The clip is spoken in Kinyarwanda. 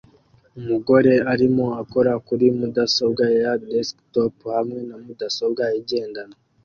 Umugore arimo akora kuri mudasobwa ya desktop hamwe na mudasobwa igendanwa